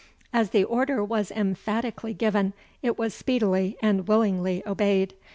As the order was emphatically given, it was speedily and willingly obeyed.